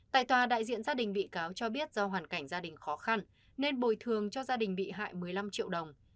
tại tòa đại diện gia đình bị cáo cho biết do hoàn cảnh gia đình khó khăn nên bồi thường cho gia đình bị hại một mươi năm triệu đồng